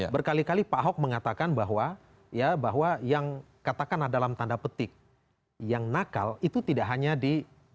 berkali kali pak hock mengatakan bahwa yang katakan ada dalam tanda petik yang nakal itu tidak hanya di